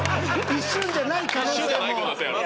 「一瞬」じゃない可能性ある。